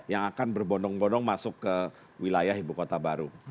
yang akan berbondong bondong masuk ke wilayah ibu kota baru